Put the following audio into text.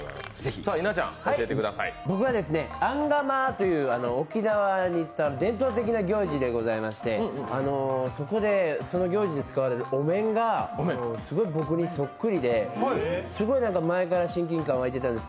僕はアンガマという沖縄に伝わる伝統的な行事でございましてそこで行事で使われるお面がすごい僕にそっくりですごい親近感湧いてたんです。